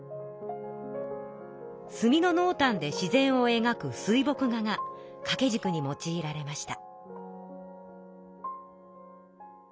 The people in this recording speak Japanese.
すみののうたんで自然をえがく水墨画がかけじくに用いられました。